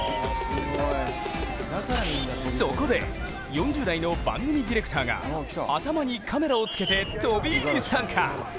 そこで、４０代の番組ディレクターが頭にカメラをつけて飛び入り参加。